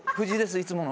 いつもの。